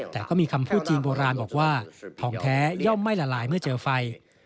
แต่ก็มีคำพูดจีนโบราณบอกว่าทองแท้ย่อมไม่ละลายเมื่อเจอไฟ